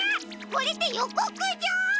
これってよこくじょう！？